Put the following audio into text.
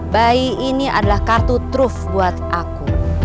bayi ini adalah kartu truf buat aku